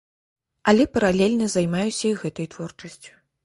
Але паралельна займаюся і гэтай творчасцю.